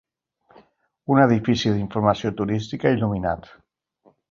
Un edifici d'informació turística il·luminat.